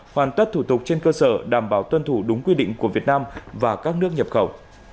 hoàn tất thủ tục trên cơ sở đảm bảo tuân thủ đúng quy định của việt nam và các nước nhập khẩu